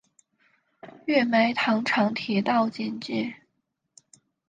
月眉糖厂铁道简介